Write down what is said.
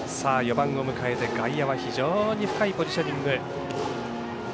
４番を迎えて外野は非常に深いポジショニング。